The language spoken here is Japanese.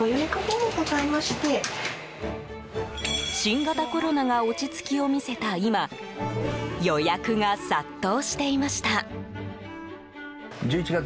新型コロナが落ち着きを見せた今予約が殺到していました。